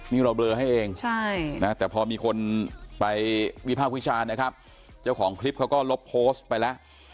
นี่เราเบลอให้เองแต่พอมีคนไปวิภาควิจารณ์นะครับเจ้าของคลิปเขาก็ลบโพสต์ไปแล้ว